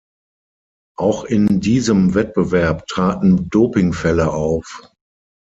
Auch in diesem Wettbewerb traten Dopingfälle auf.